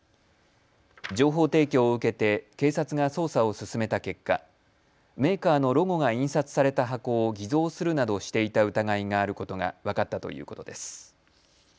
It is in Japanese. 情報提供を受けて警察が捜査を進めた結果、メーカーのロゴが印刷された箱を偽造するなどしていた疑いがあることが分かったということです。